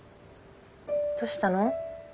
どうしたの？